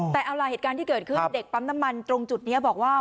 แต่เอาล่ะเหตุการณ์ที่เกิดขึ้นเด็กปั๊มน้ำมันตรงจุดนี้บอกว่า